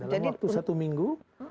dalam waktu satu minggu